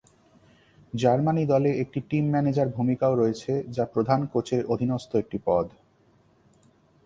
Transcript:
Germany দলে একটি team manager ভূমিকাও রয়েছে, যা প্রধান কোচের অধীনস্থ একটি পদ।